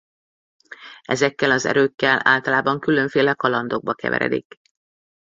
Ezekkel az erőkkel általában különféle kalandokba keveredik.